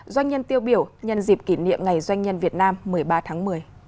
doanh nhân tiêu biểu nhân dịp kỷ niệm ngày doanh nhân việt nam một mươi ba tháng một mươi